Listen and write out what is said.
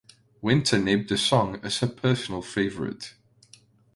Winter named the song as her personal favorite.